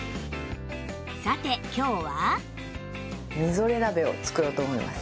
さて今日は？